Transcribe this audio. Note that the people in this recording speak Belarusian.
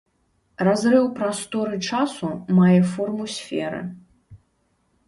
Разрыў прасторы-часу мае форму сферы.